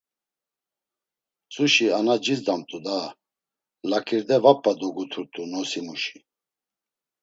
Mtzuşi ana cizdamt̆u daa, laǩirde va p̌a doguturt̆u nosimuşi.